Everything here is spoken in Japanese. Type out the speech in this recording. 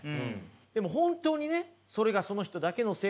でも本当にねそれがその人だけのせいなのか。